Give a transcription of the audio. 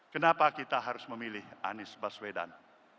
kenapa kita harus memilih anies baswedan